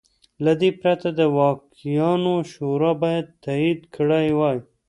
له دې پرته د دوکیانو شورا باید تایید کړی وای.